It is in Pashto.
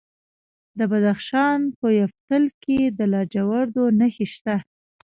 د بدخشان په یفتل کې د لاجوردو نښې شته.